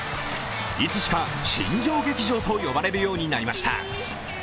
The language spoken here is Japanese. いつしか新庄劇場と呼ばれるようになりました。